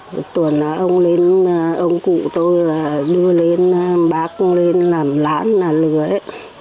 một tuần là ông cụ tôi đưa lên bác lên làm lán nà nưa ấy